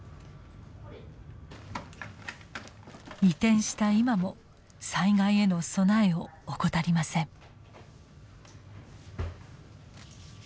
移転した今も災害への備えを怠りません。